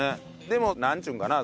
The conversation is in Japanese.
でもなんちゅうんかな？